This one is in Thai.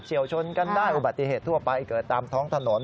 วชนกันได้อุบัติเหตุทั่วไปเกิดตามท้องถนน